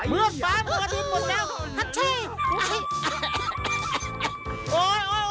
มืดบร้านมือดิวหมดแล้ว